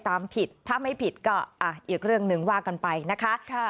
ผิดถ้าไม่ผิดก็อีกเรื่องหนึ่งว่ากันไปนะคะ